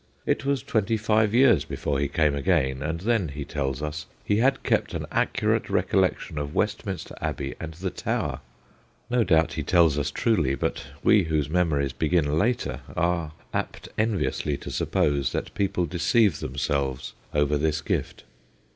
It was twenty five years before he came again, and then, he tells us, he had kept an accurate recollec tion of Westminster Abbey and the Tower. (No doubt he tells us truly, but we whose memories begin later are apt enviously to suppose that people deceive themselves over this gift.)